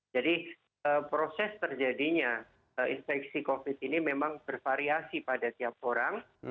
jadi proses terjadinya infeksi covid ini memang bervariasi pada tiap orang